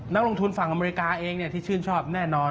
นักลงทุนฝั่งอเมริกาเองที่ชื่นชอบแน่นอน